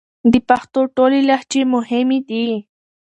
د پښتو ټولې لهجې مهمې دي